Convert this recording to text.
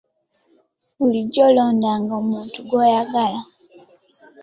Bulijjo londanga omuntu gw'oyagala.